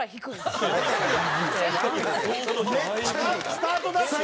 スタートダッシュが？